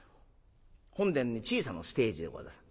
本殿に小さなステージでございます。